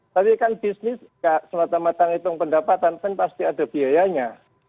tapi kan bisnis nggak semata mata ngitung pendapatan kan pasti ada biayanya